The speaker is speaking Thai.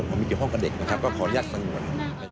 มันมีเกี่ยวกับเด็กขออนุญาตสั่งก่อน